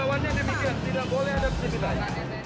simbawannya demikian tidak boleh ada kesimpitan